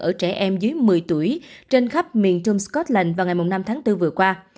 ở trẻ em dưới một mươi tuổi trên khắp miền trung scotland vào ngày năm tháng bốn vừa qua